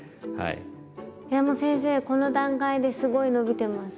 いやもう先生この段階ですごい伸びてます。